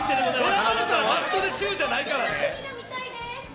選ばれたらマストでシューじゃないからね。